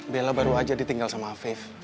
bella baru aja ditinggal sama faive